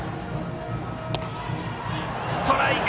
ストライク！